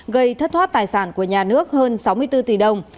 gây thất thoát tài sản của nhà nước hơn sáu mươi bốn tỷ đồng